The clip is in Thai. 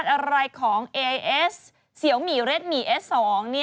ต้องตอบเข้ามานะคะ